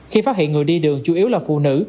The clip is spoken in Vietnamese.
khi phát hiện người đi đường chủ yếu là phụ nữ